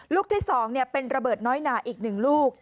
ลูกที่สองเนี่ยเป็นระเบิดน้อยหนาอีกหนึ่งลูก